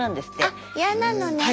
あっやなのね。